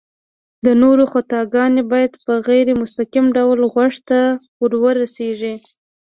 د نورو خطاګانې بايد په غير مستقيم ډول غوږ ته ورورسيږي